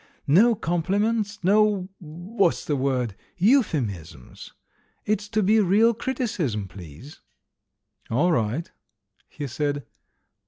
No compliments, no — what's the word? — euphemisms. It's to be real criticism, please." "All right," he said.